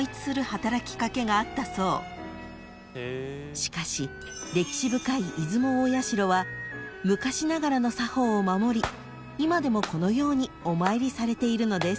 ［しかし歴史深い出雲大社は昔ながらの作法を守り今でもこのようにお参りされているのです］